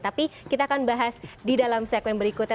tapi kita akan bahas di dalam segmen berikutnya